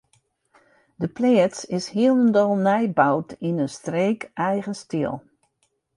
De pleats is hielendal nij boud yn in streekeigen styl.